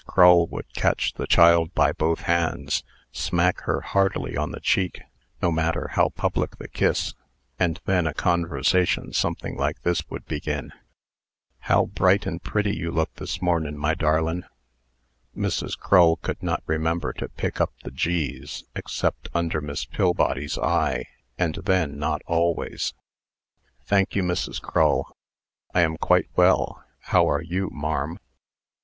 Crull would catch the child by both hands, smack her heartily on the cheek (no matter how public the kiss), and then a conversation something like this would follow: "How bright and pretty you look this mornin', my darlin!" (Mrs. Crull could not remember to pick up the "g's," except under Miss Pillbody's eye, and then not always.) "Thank you, Mrs. Crull; I am quite well. How are you, marm?"